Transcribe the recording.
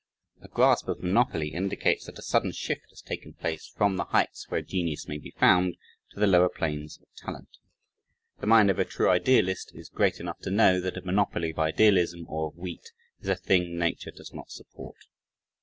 A grasp at monopoly indicates that a sudden shift has taken place from the heights where genius may be found, to the lower plains of talent. The mind of a true idealist is great enough to know that a monopoly of idealism or of wheat is a thing nature does not support.